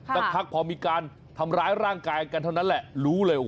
แต่พอมีการทำร้ายร่างกายกันเท่านั้นแหละ